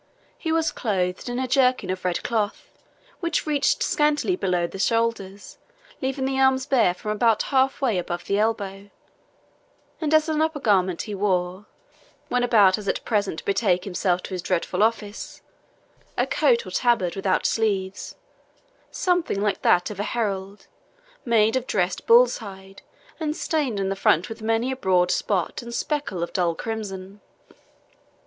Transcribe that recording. He was clothed in a jerkin of red cloth, which reached scantly below the shoulders, leaving the arms bare from about half way above the elbow; and as an upper garment, he wore, when about as at present to betake himself to his dreadful office, a coat or tabard without sleeves, something like that of a herald, made of dressed bull's hide, and stained in the front with many a broad spot and speckle of dull crimson.